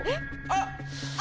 あっ！